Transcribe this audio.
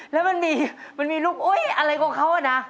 แล้วมันมีลูกอะไรกับเขาน่ะ